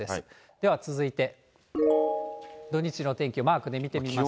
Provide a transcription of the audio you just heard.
では続いて、土日の天気、マークで見てみますと。